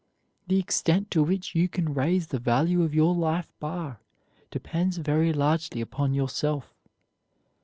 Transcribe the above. The extent to which you can raise the value of your life bar depends very largely upon yourself.